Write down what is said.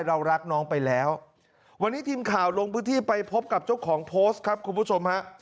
เรารักน้องไปแล้ววันนี้ทีมข่าวลงพื้นที่ไปพบกับเจ้าของโพสต์ครับคุณผู้ชมฮะ